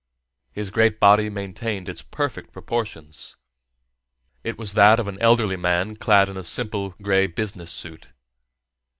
His great body maintained its perfect proportions. It was that of an elderly man clad simply in a gray business suit.